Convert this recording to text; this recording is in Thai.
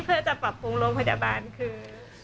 เพื่อจะปรับปรุงโรงพยาบาลคือ